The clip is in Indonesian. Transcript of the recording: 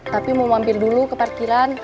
tapi mau mampir dulu ke parkiran